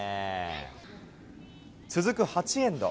続く８エンド。